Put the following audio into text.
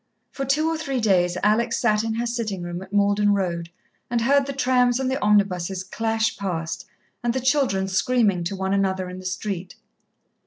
For two or three days Alex sat in her sitting room at Malden Road and heard the trams and the omnibuses clash past, and the children screaming to one another in the street.